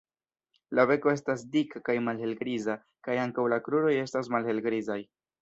La beko estas dika kaj malhelgriza kaj ankaŭ la kruroj estas malhelgrizaj.